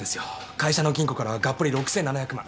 会社の金庫からガッポリ６７００万。